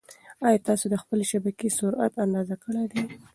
ایا تاسي د خپلې شبکې سرعت اندازه کړی دی؟